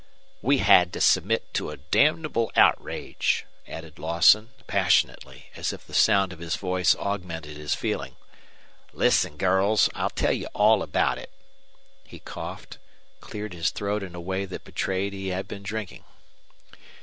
"We had to submit to a damnable outrage," added Lawson, passionately, as if the sound of his voice augmented his feeling. "Listen, girls; I'll tell you all about it." He coughed, cleared his throat in a way that betrayed he had been drinking.